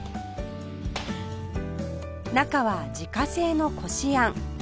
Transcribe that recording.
中は自家製のこしあん